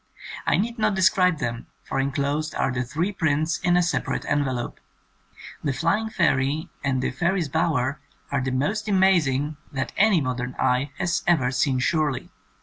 I need not describe them, for enclosed are the three prints in a separate envelope. The '^Flying Fairy '^ and the ''Fairies' Bower" are the most amazing that any modern eye has ever seen surely